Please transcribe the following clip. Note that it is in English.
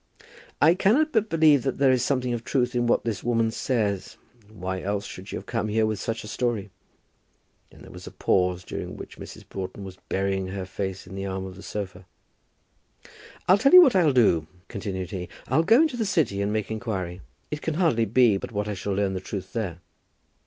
"I cannot but believe that there is something of truth in what this woman says. Why else should she come here with such a story?" Then there was a pause, during which Mrs. Broughton was burying her face on the arm of the sofa. "I'll tell you what I'll do," continued he. "I'll go into the City, and make inquiry. It can hardly be but what I shall learn the truth there."